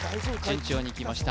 順調にきました